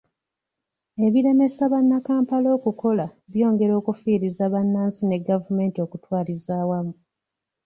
Ebiremesa bannakampala okukola byongera okufiiriza bannansi ne gavumenti okutwaliza awamu.